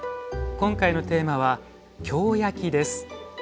今回のテーマは「京焼」です。